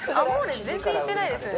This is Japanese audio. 全然言ってないですよね